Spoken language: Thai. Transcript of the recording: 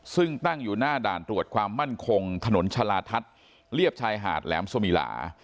ซึ่งตั้งอยู่หน้าด่านตรวจความมั่นคงถนนชาลาทัศน์เรียบชายหาดแหลมสมิลา